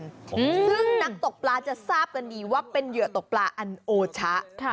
ซึ่งนักตกปลาจะทราบกันดีว่าเป็นเหยื่อตกปลาอันโอชะ